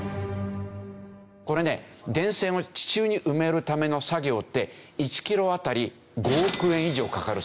これね電線を地中に埋めるための作業って１キロあたり５億円以上かかるそうです。